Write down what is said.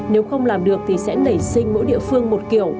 nếu không làm được thì sẽ nảy sinh mỗi địa phương một kiểu